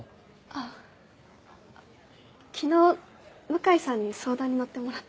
あぁ昨日向井さんに相談に乗ってもらって。